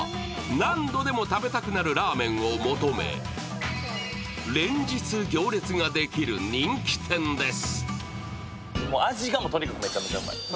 何度でも食べたくなるラーメンを求め、連日、行列ができる人気店です。